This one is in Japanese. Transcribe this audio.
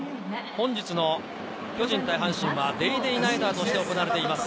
本日の巨人対阪神は『ＤａｙＤａｙ．』ナイターとして行われています。